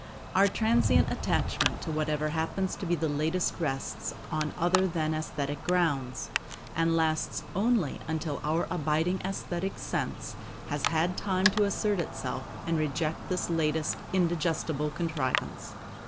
Our transient attachment to whatever happens to be the latest rests on other than aesthetic grounds, and lasts only until our abiding aesthetic sense has had time to assert itself and reject this latest indigestible contrivance.